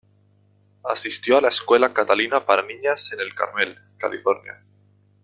Asistió a la escuela Catalina para niñas en Carmel, California.